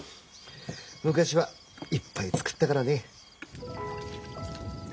昔はいっぱい作ったからね。